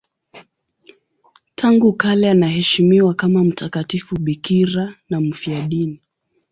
Tangu kale anaheshimiwa kama mtakatifu bikira na mfiadini.